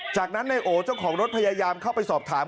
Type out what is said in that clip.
จากนั้นนายโอเจ้าของรถพยายามเข้าไปสอบถาม